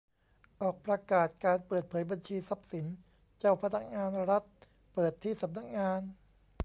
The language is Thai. ออกประกาศการเปิดเผยบัญชีทรัพย์สินเจ้าพนักงานรัฐเปิดที่สำนักงาน